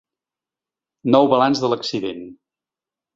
Nou balanç de l’accident.